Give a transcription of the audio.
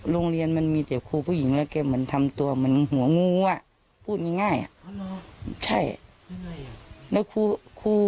โรงเรียนมันมีแต่ครูผู้หญิงแล้วมันทำตัวเหมือนหัวงู